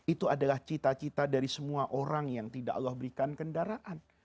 itu adalah cita cita dari semua orang yang tidak allah berikan kendaraan